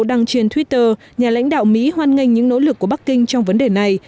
đăng trên twitter nhà lãnh đạo mỹ hoan nghênh những nỗ lực của bắc kinh trong vấn đề này